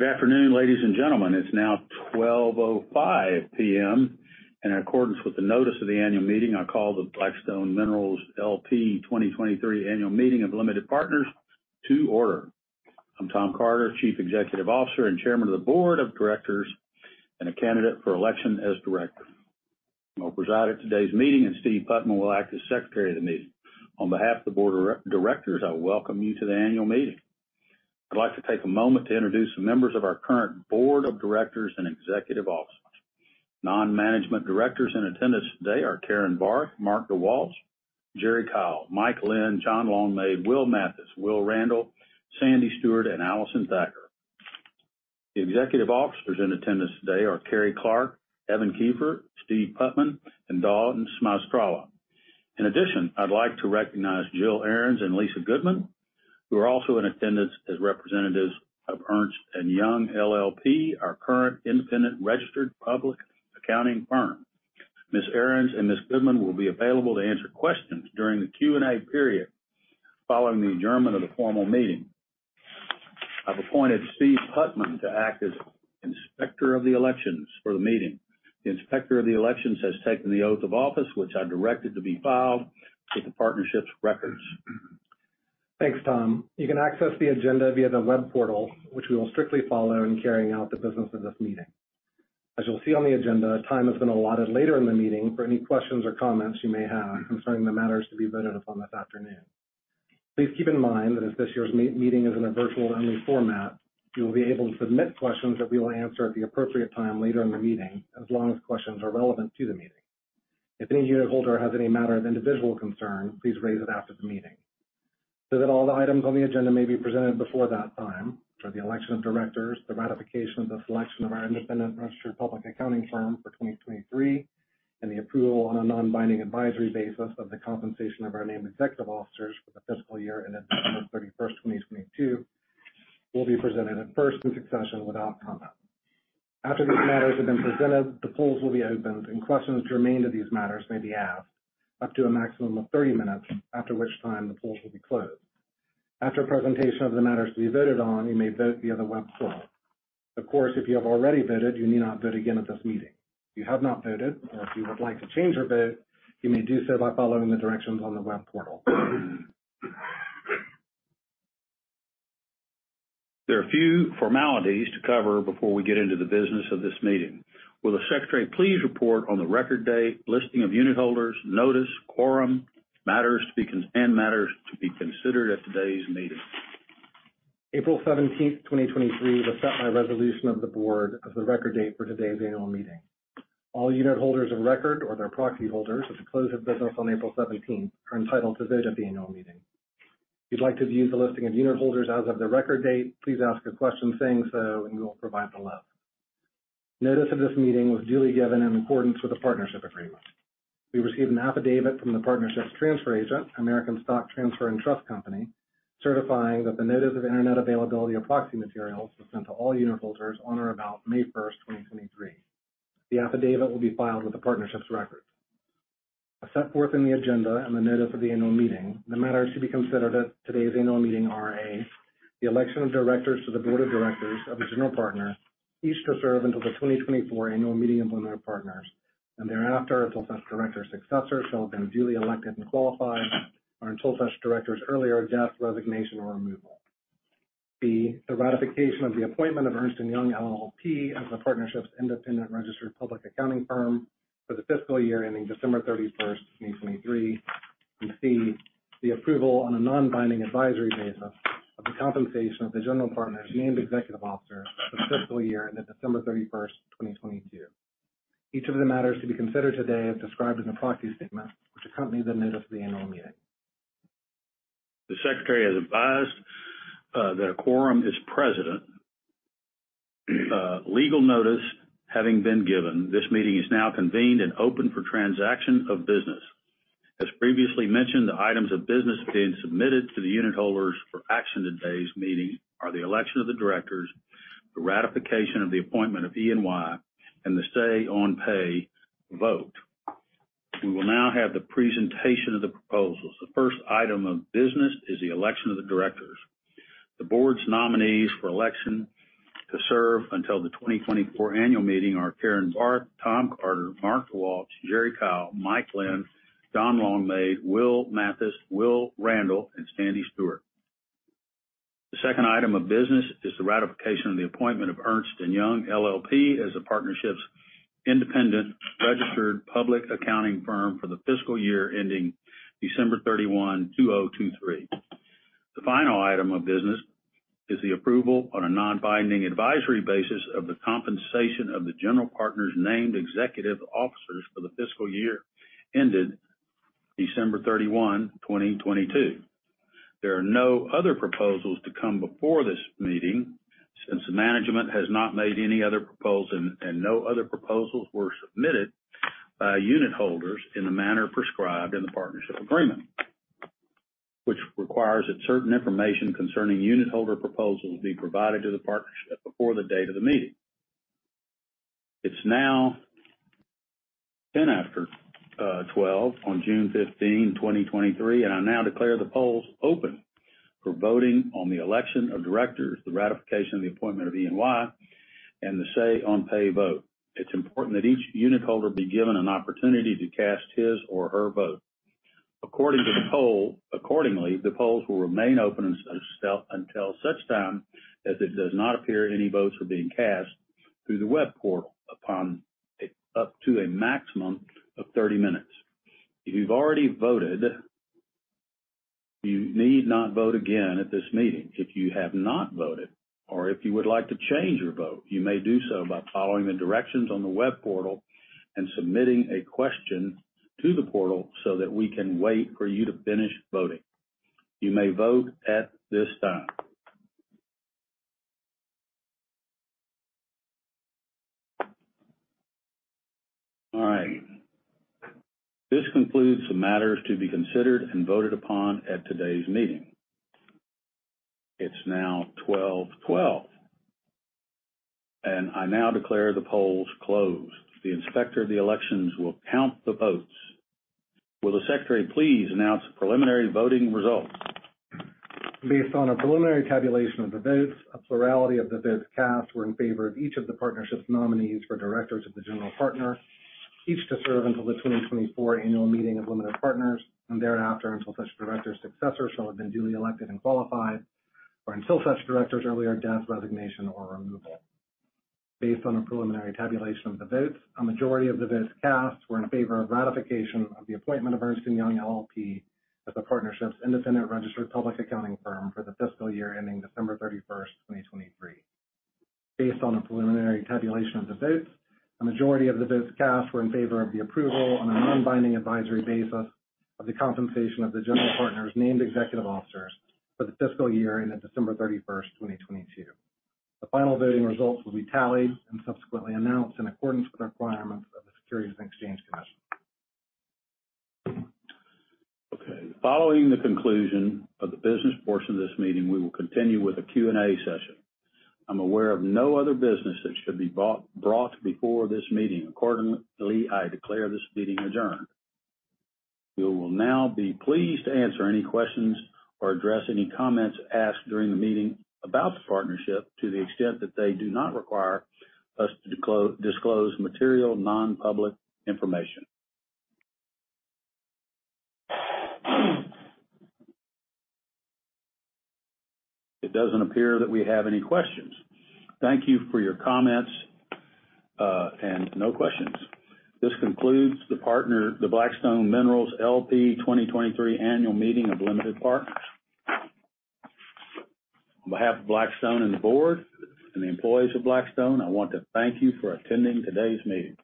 Good afternoon, ladies and gentlemen. It's now 12:05 P.M. In accordance with the notice of the annual meeting, I call the Blackstone Minerals, L.P. 2023 annual meeting of limited partners to order. I'm Tom Carter, Chief Executive Officer and Chairman of the Board of Directors and a candidate for election as director. I'll preside at today's meeting. Steve Putman will act as Secretary of the meeting. On behalf of the board of directors, I welcome you to the annual meeting. I'd like to take a moment to introduce the members of our current board of directors and executive officers. Non-management directors in attendance today are Karen Barth, Mark DeWalch, Jerry Kyle, Mike Linn, John Longmaid, Will Mathis, Will Randall, Sandy Stuart, and Allison Thacker. The executive officers in attendance today are Carrie Clark, Evan Kieffer, Steve Putman, and Dawn Smajstrla. In addition, I'd like to recognize Jill Ahrens and Lisa Goodman, who are also in attendance as representatives of Ernst & Young LLP, our current independent registered public accounting firm. Ms. Ahrens and Ms. Goodman will be available to answer questions during the Q&A period following the adjournment of the formal meeting. I've appointed Steve Putman to act as Inspector of the Elections for the meeting. The Inspector of the Elections has taken the oath of office, which I directed to be filed with the partnership's records. Thanks, Tom. You can access the agenda via the web portal, which we will strictly follow in carrying out the business of this meeting. As you'll see on the agenda, time has been allotted later in the meeting for any questions or comments you may have concerning the matters to be voted upon this afternoon. Please keep in mind that as this year's meeting is in a virtual-only format, you will be able to submit questions that we will answer at the appropriate time later in the meeting, as long as questions are relevant to the meeting. If any unitholder has any matter of individual concern, please raise it after the meeting. That all the items on the agenda may be presented before that time, for the election of directors, the ratification of the selection of our independent registered public accounting firm for 2023, and the approval on a non-binding advisory basis of the compensation of our named executive officers for the fiscal year ended December 31st, 2022, will be presented at first in succession without comment. After these matters have been presented, the polls will be opened, and questions germane to these matters may be asked, up to a maximum of 30 minutes, after which time the polls will be closed. After presentation of the matters to be voted on, you may vote via the web portal. Of course, if you have already voted, you need not vote again at this meeting. If you have not voted, or if you would like to change your vote, you may do so by following the directions on the web portal. There are a few formalities to cover before we get into the business of this meeting. Will the Secretary please report on the record date, listing of unitholders, notice, quorum, and matters to be considered at today's meeting? April 17th, 2023, was set by resolution of the board as the record date for today's annual meeting. All unitholders of record or their proxy holders, as of close of business on April 17th, are entitled to vote at the annual meeting. If you'd like to view the listing of unitholders as of the record date, please ask a question saying so, and we will provide the list. Notice of this meeting was duly given in accordance with the partnership agreement. We received an affidavit from the partnership's transfer agent, American Stock Transfer and Trust Company, certifying that the notice of Internet availability of proxy materials was sent to all unitholders on or about May 1st, 2023. The affidavit will be filed with the partnership's records. As set forth in the agenda and the notice of the annual meeting, the matters to be considered at today's annual meeting are, A, the election of directors to the board of directors of the general partner, each to serve until the 2024 annual meeting of limited partners, and thereafter, until such director's successor shall have been duly elected and qualified, or until such director's earlier death, resignation, or removal. B, the ratification of the appointment of Ernst & Young LLP as the partnership's independent registered public accounting firm for the fiscal year ending December 31st, 2023. C, the approval on a non-binding advisory basis of the compensation of the general partner's named executive officer for the fiscal year ended December 31st, 2022. Each of the matters to be considered today is described in the proxy statement, which accompanies the notice of the annual meeting. The Secretary has advised that a quorum is present. Legal notice having been given, this meeting is now convened and open for transaction of business. As previously mentioned, the items of business being submitted to the unitholders for action in today's meeting are the election of the directors, the ratification of the appointment of E&Y, and the say on pay vote. We will now have the presentation of the proposals. The first item of business is the election of the directors. The board's nominees for election to serve until the 2024 annual meeting are Karen Barth, Tom Carter, Mark DeWalch, Jerry Kyle, Mike Linn, John Longmaid, Will Mathis, Will Randall, and Sandy Stuart. The second item of business is the ratification of the appointment of Ernst & Young LLP as the partnership's independent registered public accounting firm for the fiscal year ending December 31, 2023. The final item of business is the approval on a non-binding advisory basis of the compensation of the general partner's named executive officers for the fiscal year ended December 31, 2022. There are no other proposals to come before this meeting since the management has not made any other proposal and no other proposals were submitted by unitholders in the manner prescribed in the partnership agreement, which requires that certain information concerning unitholder proposals be provided to the partnership before the date of the meeting. It's now 10 after 12 on June 15, 2023, I now declare the polls open for voting on the election of directors, the ratification of the appointment of E&Y, and the say on pay vote. It's important that each unitholder be given an opportunity to cast his or her vote. Accordingly, the polls will remain open until such time as it does not appear any votes are being cast through the web portal, up to a maximum of 30 minutes. If you've already voted, you need not vote again at this meeting. If you have not voted, or if you would like to change your vote, you may do so by following the directions on the web portal and submitting a question to the portal so that we can wait for you to finish voting. You may vote at this time. All right. This concludes the matters to be considered and voted upon at today's meeting. It's now 12:12 P.M. I now declare the polls closed. The Inspector of the Elections will count the votes. Will the Secretary please announce the preliminary voting results? Based on a preliminary tabulation of the votes, a plurality of the votes cast were in favor of each of the partnership's nominees for directors of the general partner, each to serve until the 2024 annual meeting of limited partners, and thereafter, until such director's successor shall have been duly elected and qualified, or until such director's earlier death, resignation, or removal. Based on a preliminary tabulation of the votes, a majority of the votes cast were in favor of ratification of the appointment of Ernst & Young LLP as the partnership's independent registered public accounting firm for the fiscal year ending December 31st, 2023. Based on a preliminary tabulation of the votes, a majority of the votes cast were in favor of the approval on a non-binding advisory basis of the compensation of the general partner's named executive officers for the fiscal year ending December 31st, 2022. The final voting results will be tallied and subsequently announced in accordance with the requirements of the Securities and Exchange Commission. Okay. Following the conclusion of the business portion of this meeting, we will continue with a Q&A session. I'm aware of no other business that should be brought before this meeting. Accordingly, I declare this meeting adjourned. We will now be pleased to answer any questions or address any comments asked during the meeting about the partnership, to the extent that they do not require us to disclose material, non-public information. It doesn't appear that we have any questions. Thank you for your comments and no questions. This concludes the Blackstone Minerals, L.P. 2023 Annual Meeting of Limited Partners. On behalf of Blackstone and the board and the employees of Blackstone, I want to thank you for attending today's meeting.